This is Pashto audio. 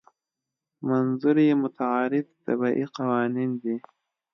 منظور یې متعارف طبیعي قوانین دي.